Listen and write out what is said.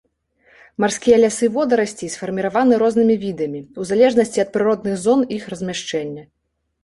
Марскія лясы водарасцей сфарміраваны рознымі відамі, у залежнасці ад прыродных зон іх размяшчэння.